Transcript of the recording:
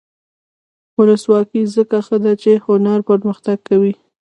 ولسواکي ځکه ښه ده چې هنر پرمختګ ورکوي.